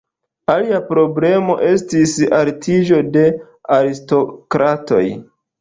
Alia problemo estis altiĝo de aristokratoj.